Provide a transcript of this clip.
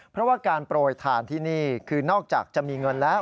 เพราะว่าการโปรยทานที่นี่คือนอกจากจะมีเงินแล้ว